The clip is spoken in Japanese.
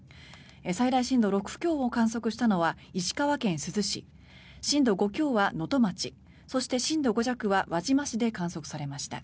最大震度６強を観測したのは石川県珠洲市震度５強は能都町そして震度５弱は輪島市で観測されました。